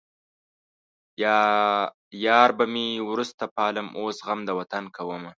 يار به مې وروسته پالم اوس غم د وطن کومه